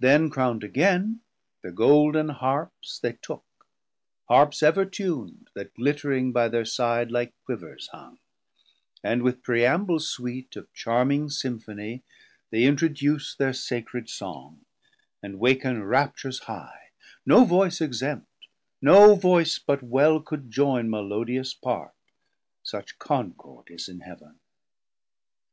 Then Crown'd again thir gold'n Harps they took, Harps ever tun'd, that glittering by their side Like Quivers hung, and with Praeamble sweet Of charming symphonie they introduce Thir sacred Song, and waken raptures high; No voice exempt, no voice but well could joine 370 Melodious part, such concord is in Heav'n.